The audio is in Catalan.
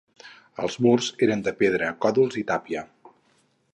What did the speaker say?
Els murs eren de pedra, còdols i tàpia.